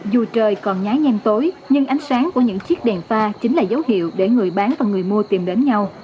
dù trời còn nhái nhem tối nhưng ánh sáng của những chiếc đèn pha chính là dấu hiệu để người bán và người mua tìm đến nhau